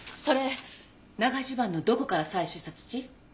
それ長襦袢のどこから採取した土？